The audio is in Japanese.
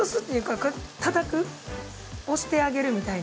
押してあげるみたいな。